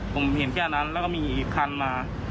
ผมเห็นแค่นั้นแล้วก็มีอีกคันมา